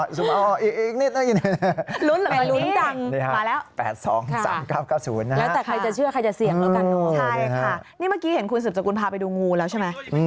ใช่ค่ะนี่เมื่อกี้เห็นคุณสืบสกุลพาไปดูงูแล้วใช่ไหม